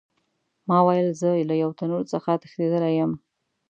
ما ویل زه له یو تنور څخه تښتېدلی یم.